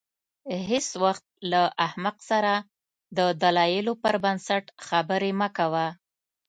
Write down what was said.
هېڅ وخت له احمق سره د دلایلو پر بنسټ خبرې مه کوه.